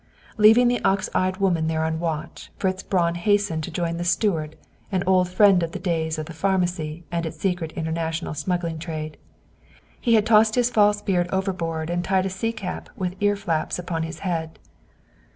Leaving the ox eyed woman there on watch, Fritz Braun hastened to join the steward, an old friend of the days of the pharmacy and its secret international smuggling trade. He had tossed his false beard overboard and tied a sea cap with ear flaps upon his head.